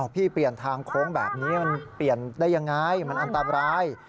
พี่เปลี่ยนทางโค้งแบบนี้มันเปลี่ยนได้ยังไงมันอันตราย